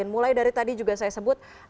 mulai dari tadi juga saya sebut